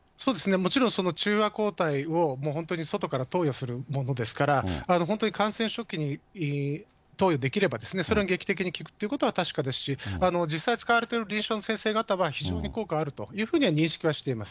もちろんその中和抗体を本当に外から投与するものですから、本当に感染初期に投与できれば、それが劇的に効くということは確かですし、実際使われてる臨床の先生方は非常に効果あるというふうには認識はしています。